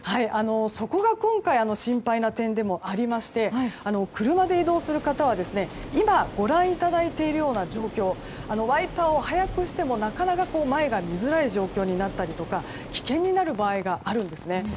そこが今回心配な点でもありまして車で移動する方は今ご覧いただいているような状況ワイパーを早くしてもなかなか前が見づらい状況になったりとか危険になる場合があるんですね。